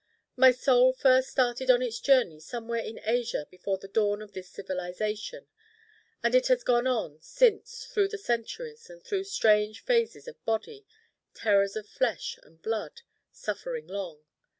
My Soul first started on its journey somewhere in Asia before the dawn of this civilization. And it has gone on since through the centuries and through strange phases of Body, terrors of flesh and blood, suffering long.